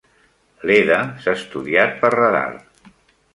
Leda s'ha estudiat per radar.